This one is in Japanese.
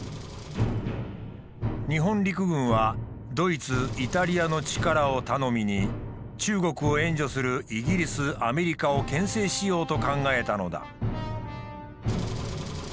日本陸軍はドイツイタリアの力を頼みに中国を援助するイギリスアメリカを牽制しようと考えたのだ。